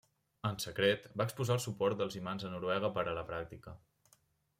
En secret, va exposar el suport dels imams a Noruega per a la pràctica.